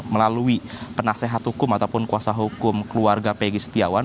melalui penasehat hukum ataupun kuasa hukum keluarga pegi setiawan